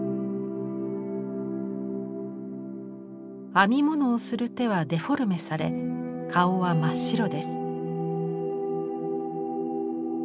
編み物をする手はデフォルメされ顔は真っ白です。